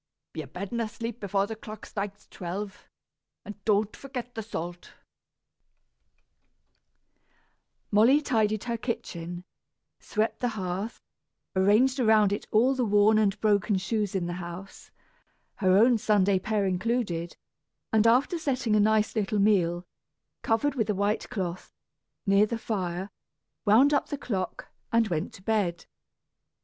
Be abed and asleep before the clock strikes twelve; and don't forget the salt." Molly tidied her kitchen, swept the hearth, arranged around it all the worn and broken shoes in the house, her own Sunday pair included; and, after setting a nice little meal, covered with a white cloth, near the fire, wound up the clock and went to bed.